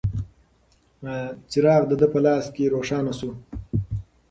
څراغ د ده په لاس روښانه شو.